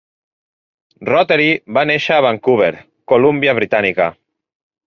Rothery va néixer a Vancouver, Columbia Britànica.